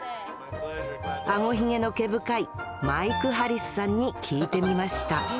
顎ひげの毛深いマイク・ハリスさんに聞いてみましたえ！